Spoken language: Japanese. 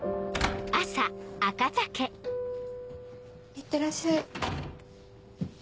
いってらっしゃい。